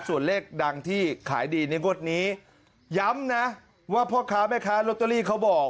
ส่วนเลขดังที่ขายดีในงวดนี้ย้ำนะว่าพ่อค้าแม่ค้าลอตเตอรี่เขาบอก